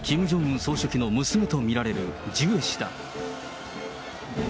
総書記の娘と見られるジュエ氏だ。